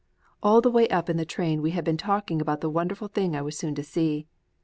All the way up in the train we had been talking about the wonderful thing I was so soon to see.